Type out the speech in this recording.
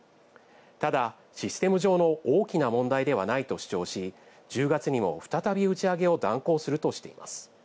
ただ、システム上の大きな問題ではないと主張し、１０月にも再び打ち上げを断行するとしています。